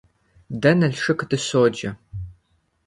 Дэ Налшык дыщоджэ.